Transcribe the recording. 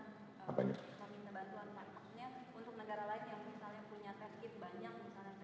maksudnya untuk negara lain yang misalnya punya test kit banyak karena kita kan